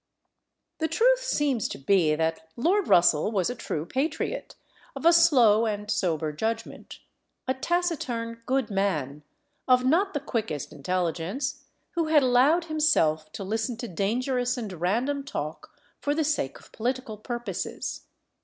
The truth seems to be that Lord Russell was a true patriot, of a slow and sober judgment, a taciturn, good man, of not the quickest intelligence, who had allowed himself to listen to dangerous and random talk for the sake of political purposes.